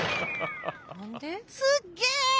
すっげえ！